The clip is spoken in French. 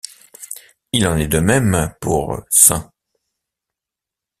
Il en est de même pour St.